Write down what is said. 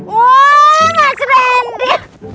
wah mas randi